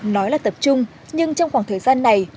nói là tập trung nhưng trong khoảng thời gian này